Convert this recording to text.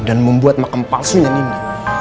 dan membuat makam palsunya nindi